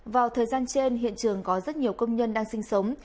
vào thời gian trên hiện trường có rất nhiều công nhân đang sinh sống